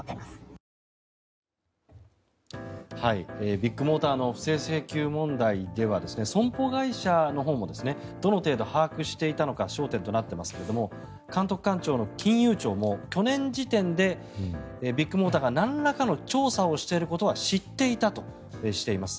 ビッグモーターの不正請求問題では損保会社のほうもどの程度把握していたのか焦点となっていますけども監督官庁の金融庁も去年時点でビッグモーターがなんらかの調査をしていることは知っていたとしています。